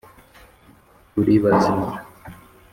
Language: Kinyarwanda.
turi bazima’